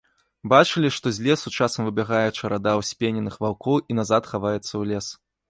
Бачылі, што з лесу часам выбягае чарада ўспененых ваўкоў і назад хаваецца ў лес.